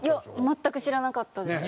全く知らなかったです。